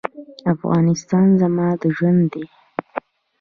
افغانستان زما ژوند دی؟